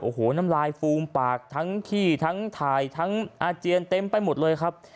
โอ้โหน้ำลายฟูมปากทั้งขี้ทั้งถ่ายทั้งอาเจียนเต็มไปหมดเลยครับ